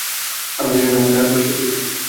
আমরা জানি না নায়না কে বা সে কী চায়।